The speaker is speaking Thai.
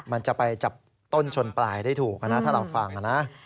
มันจะไปจับต้นชนปลายได้ถูกนะถ้าเราฟังนะ